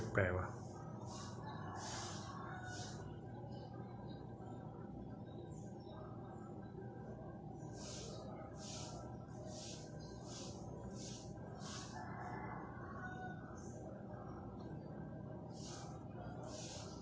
ดูไม่แล้ว